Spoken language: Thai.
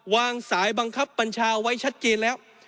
วางสายบังคับบัญชาไว้ชัดเจนแล้ว